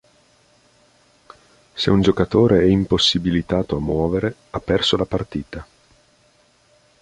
Se un giocatore è impossibilitato a muovere, ha perso la partita.